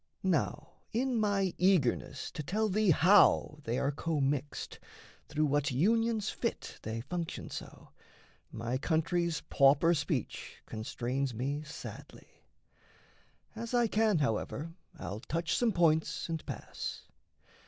Now in my eagerness to tell thee how They are commixed, through what unions fit They function so, my country's pauper speech Constrains me sadly. As I can, however, I'll touch some points and pass.